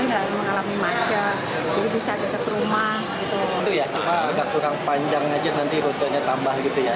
itu ya cuma agak kurang panjang aja nanti rute nya tambah gitu ya